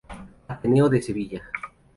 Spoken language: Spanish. Ateneo de Sevilla.